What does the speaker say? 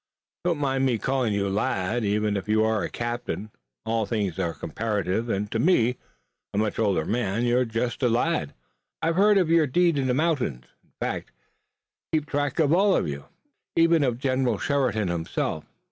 "Don't mind my calling you lad, even if you are a captain. All things are comparative, and to me, a much older man, you're just a lad. I've heard of your deed in the mountains, in fact, I keep track of all of you, even of General Sheridan himself.